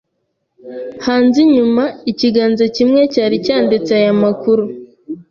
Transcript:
Hanze inyuma ikiganza kimwe cyari cyanditse aya makuru: